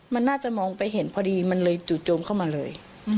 มันน่าจะมองไปเห็นพอดีมันเลยจู่โจมเข้ามาเลย